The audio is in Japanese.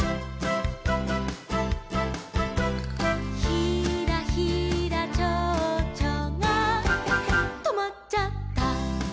「ひらひらちょうちょがとまっちゃった」